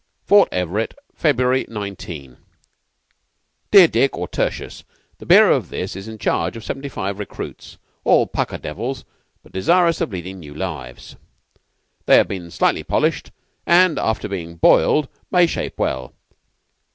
"'Fort Everett, February 19. "'Dear Dick, or Tertius: The bearer of this is in charge of seventy five recruits, all pukka devils, but desirous of leading new lives. They have been slightly polished, and after being boiled may shape well.